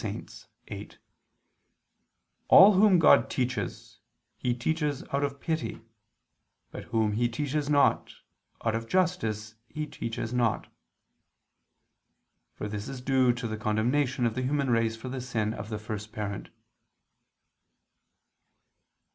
viii): "All whom God teaches, he teaches out of pity; but whom He teaches not, out of justice He teaches not": for this is due to the condemnation of the human race for the sin of the first parent.